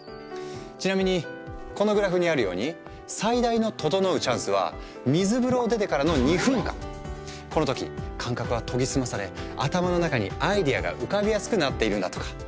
ちなみにこのグラフにあるように最大の「ととのう」チャンスは水風呂を出てからのこの時感覚は研ぎ澄まされ頭の中にアイデアが浮かびやすくなっているんだとか。